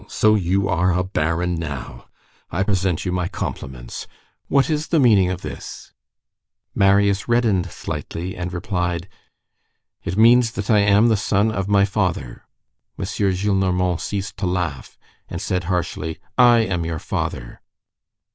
so you are a baron now. I present you my compliments. What is the meaning of this?" Marius reddened slightly and replied:— "It means that I am the son of my father." M. Gillenormand ceased to laugh, and said harshly:— "I am your father."